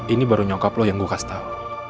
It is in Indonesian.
ini baru nyokap lo yang gue kasih tau